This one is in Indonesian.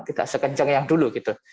tidak sekencang yang dulu gitu